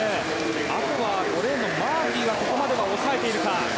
あとは５レーンのマーフィーもここまでは抑えているか。